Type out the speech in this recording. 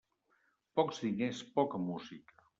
Pocs diners, poca música.